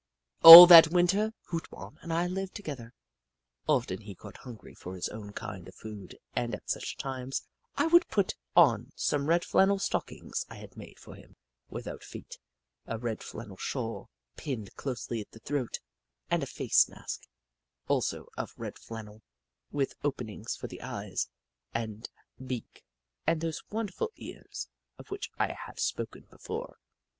All that Winter, Hoot Mon and I lived together. Often he got hungry for his own kind of food, and at such times I would put on some red flannel stockings I had made for him, without feet, a red flannel shawl, pinned closely at the throat, and a face mask, also of red flannel, with openings for the eyes and beak and those wonderful ears of which I have spoken before.